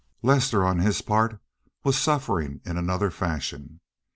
Lester on his part was suffering in another fashion.